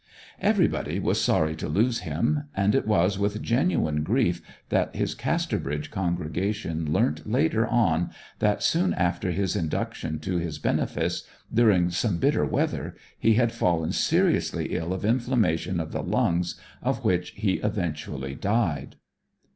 Everybody was sorry to lose him; and it was with genuine grief that his Casterbridge congregation learnt later on that soon after his induction to his benefice, during some bitter weather, he had fallen seriously ill of inflammation of the lungs, of which he eventually died.